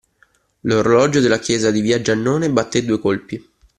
L'orologio della chiesa di via Giannone battè due colpi.